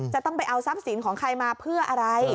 จะต้องไปเอาทรัพย์สินของใครมาเพื่ออะไร